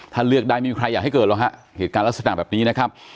ถ้าเลือกได้ไม่มีใครอยากให้เกิดหรอกฮะเหตุการณ์ลักษณะแบบนี้นะครับ